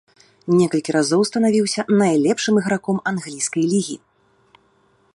Некалькі разоў станавіўся найлепшым іграком англійскай лігі.